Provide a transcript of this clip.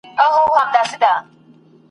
لکه فوج د لېونیانو غړومبېدله !.